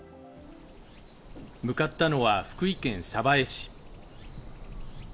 向かったのは福井県鯖江市。